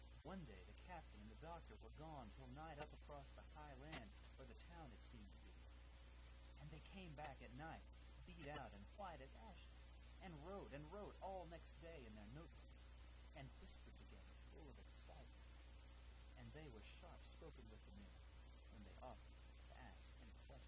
One day the captain and the doctor were gone till night up across the high land where the town had seemed to be, and they came back at night beat out and white as ashes, and wrote and wrote all next day in their notebooks, and whispered together full of excitement, and they were sharp spoken with the men when they offered to ask any questions.